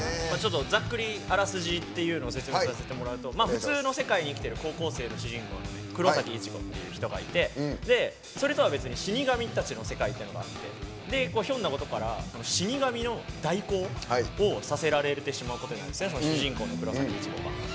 ざっくりあらすじっていうのを説明させてもらうと普通の世界に生きてる高校生の主人公黒崎一護っていう人がいてそれとは別に死神たちの世界っていうのがあってひょんなことから死神の代行をさせられてしまうんですね主人公の黒崎一護が。